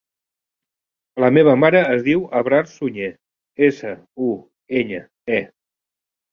La meva mare es diu Abrar Suñe: essa, u, enya, e.